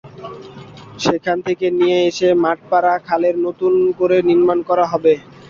সেখান থেকে নিয়ে এসে মাঠপাড়া খালের নতুন করে নির্মাণ করা হবে।